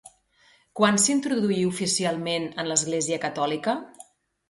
Quan s'introduí oficialment en l'Església catòlica?